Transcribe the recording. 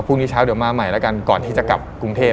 พรุ่งนี้เช้ามาใหม่ก่อนที่จะกลับกรุงเทพฯ